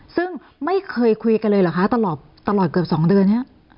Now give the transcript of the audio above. ซึ่งไม่เคยคุยกันเลยเหรอคะตลอดเกือบ๒เดือนนี้